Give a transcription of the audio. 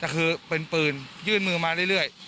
แต่คือเป็นปืนยื่นมือมาเรื่อย